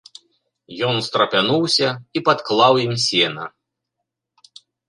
Ён устрапянуўся і падклаў ім сена.